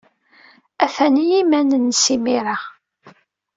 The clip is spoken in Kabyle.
Atan i yiman-nnes imir-a.